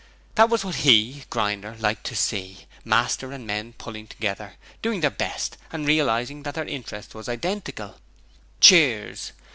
That was what he (Grinder) liked to see master and men pulling together doing their best, and realizing that their interests was identical. (Cheers.)